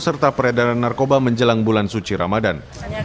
serta peredaran narkoba menjelang bulan suci ramadan